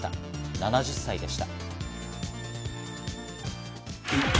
７０歳でした。